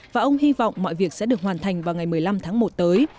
và ông hy vọng mọi việc sẽ được hoàn thành vào ngày một mươi năm tháng một tới